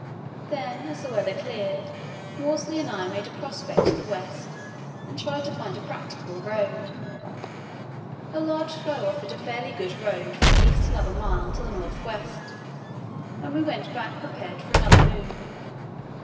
Then, as the weather cleared, Worsley and I made a prospect to the west and tried to find a practicable road. A large floe offered a fairly good road for at least another mile to the north west, and we went back prepared for another move.